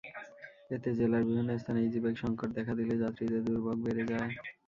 এতে জেলার বিভিন্ন স্থানে ইজিবাইক সংকট দেখা দিলে যাত্রীদের দুর্ভোগ বেড়ে যায়।